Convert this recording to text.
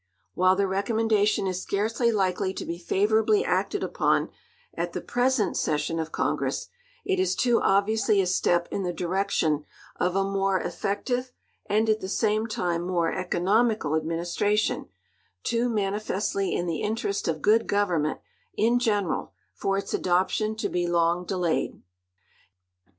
While the recommendation is scarcely likely to be favorably acted upon at the present session of Congress, it is too obviously a step in the direction of a more effective and at the same time more economical administration — too manifestly in the interest of good government in general — ^for its adoption to be long delayed.